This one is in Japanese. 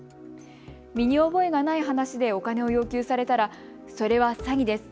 身に覚えがない話でお金を要求されたらそれは詐欺です。